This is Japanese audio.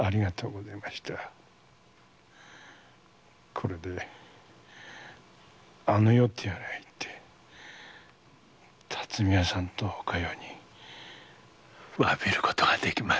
これであの世とやらへ行って巽屋さんとお加代に詫びることができます。